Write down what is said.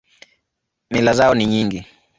Mila zao ni nyingi.